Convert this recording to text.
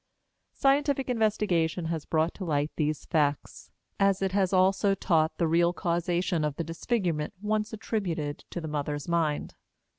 Scientific investigation has brought to light these facts, as it has also taught the real causation of the disfigurement once attributed to the mother's mind.